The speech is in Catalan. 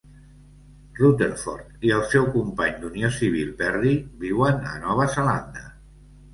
Rutherford i el seu company d'unió civil Perry viuen a Nova Zelanda.